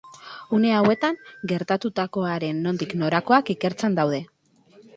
Une hauetan gertatutakoaren nondik norakoak ikertzen daude.